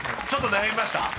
［ちょっと悩みました？］